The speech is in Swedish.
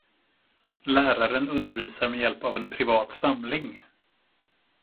Läraren undervisar med hjälp av en privat samling.